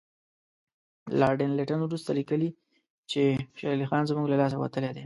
لارډ لیټن وروسته لیکي چې شېر علي زموږ له لاسه وتلی دی.